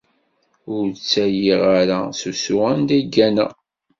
Ur ttaliɣ ara s usu anda i gganeɣ.